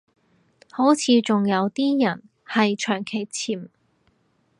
好似仲有啲人係長期潛